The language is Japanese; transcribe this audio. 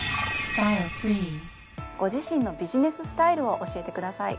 ご自身のビジネススタイルを教えてください。